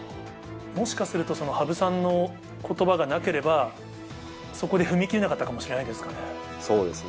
もしかすると、羽生さんのことばがなければ、そこで踏み切れなかったかもしれそうですね。